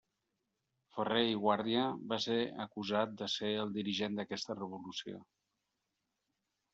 Ferrer i Guàrdia va ser acusat de ser el dirigent d’aquesta revolució.